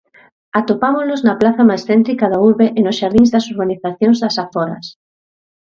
Atopámolos na praza máis céntrica da urbe e nos xardíns das urbanizacións das aforas.